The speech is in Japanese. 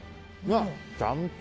ちゃんと。